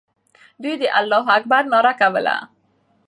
دوی د الله اکبر ناره کوله.